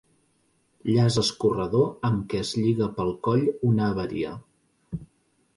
Llaç escorredor amb què es lliga pel coll una haveria.